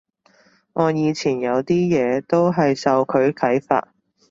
我以前有啲嘢都係受佢啓發